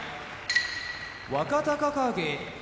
若隆景